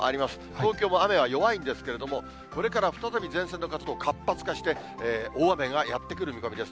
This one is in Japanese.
東京も雨は弱いんですけれども、これから再び前線の活動、活発化して、大雨がやって来る見込みです。